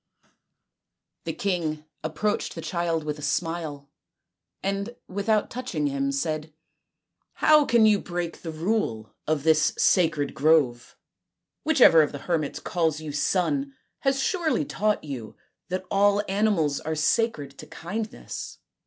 The king approached the child with a smile, and without touching him said :" How can you break the rule of this sacred grove ? Whichever of the hermits calls you son has surely taught you that all animals are sacred to kindness."